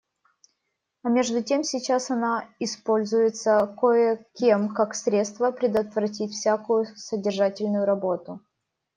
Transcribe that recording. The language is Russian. А между тем сейчас она используется кое-кем как средство предотвратить всякую содержательную работу.